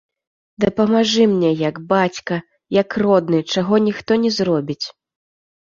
Дапамажы мне, як бацька, як родны, чаго ніхто не зробіць.